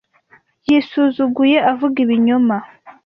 Yisuzuguye avuga ibinyoma.